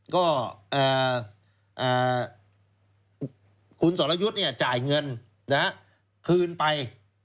ก็คุณสรยุทธ์จ่ายเงินคืนไป